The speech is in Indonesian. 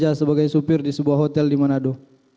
dia sebagai supir di sebuah hotel di manado